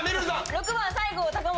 ６番西郷隆盛。